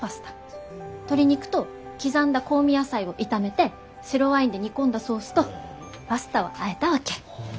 鶏肉と刻んだ香味野菜を炒めて白ワインで煮込んだソースとパスタをあえたわけ。